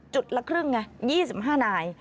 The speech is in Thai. ละครึ่งไง๒๕นาย